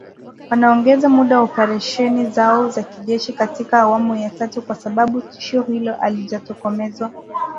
Wanaongeza muda wa operesheni zao za kijeshi katika awamu ya tatu, kwa sababu tishio hilo halijatokomezwa.